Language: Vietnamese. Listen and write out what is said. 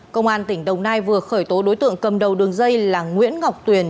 công an tỉnh đồng nai vừa khởi tố đối tượng cầm đầu đường dây là nguyễn ngọc tuyền